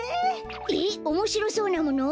えっおもしろそうなもの？